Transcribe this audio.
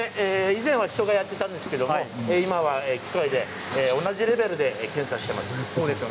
以前は人がやっていたんですけど今は機械で同じレベルで検査しています。